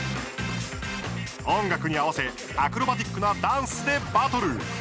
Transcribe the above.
音楽に合わせアクロバティックなダンスでバトル。